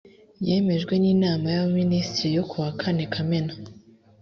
yemejwe n inama y abaminisitiri yo ku wa kane kamena